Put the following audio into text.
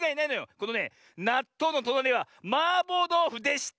このねなっとうのとなりはマーボーどうふでした！